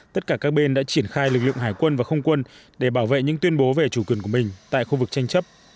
tất cả các bên đã triển khai lực lượng hải quân và không quân để bảo vệ những tuyên bố về chủ quyền của mình tại khu vực tranh chấp